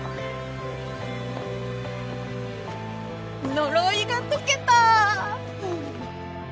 呪いが解けた！